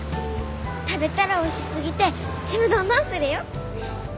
食べたらおいしすぎてちむどんどんするよ！